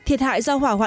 thịt hại do hỏa hoạt